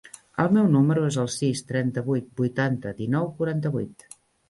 El meu número es el sis, trenta-vuit, vuitanta, dinou, quaranta-vuit.